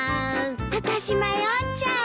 あたし迷っちゃう。